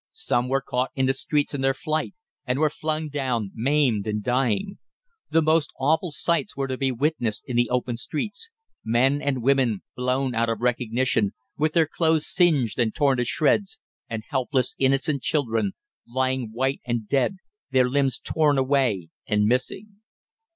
Some were caught in the streets in their flight, and were flung down, maimed and dying. The most awful sights were to be witnessed in the open streets; men and women blown out of recognition, with their clothes singed and torn to shreds, and helpless, innocent children lying white and dead, their limbs torn away and missing.